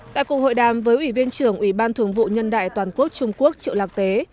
tại cuộc hội đàm với ủy viên trưởng ủy ban thường vụ nhân đại toàn quốc trung quốc triệu lạc tế